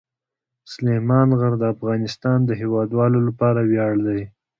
سلیمان غر د افغانستان د هیوادوالو لپاره ویاړ دی.